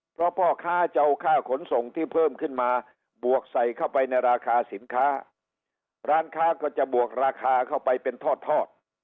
เพราะพ่อค้าจะเอาค่าขนส่งที่เพิ่มขึ้นมาบวกใส่เข้าไปในราคาสินค้าร้านค้าก็จะบวกราคาเข้าไปเป็นทอดทอด